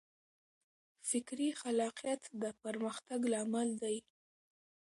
فکري خلاقیت د پرمختګ لامل دی.